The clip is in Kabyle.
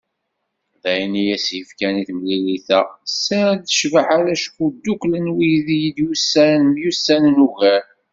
D ayen i as-yefkan i temlilit-a, sser d ccbaḥa, acku ddukklen wid i d-yusan, myussanen ugar.